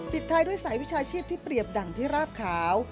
ท้ายด้วยสายวิชาชีพที่เปรียบดั่งที่ราบขาว